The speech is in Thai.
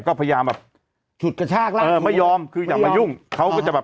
ก็พยายามแบบฉุดกระชากแล้วเออไม่ยอมคืออย่ามายุ่งเขาก็จะแบบ